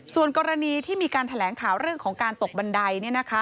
ส่วนกรณีที่มีการแถลงข่าวเรื่องของการตกบันได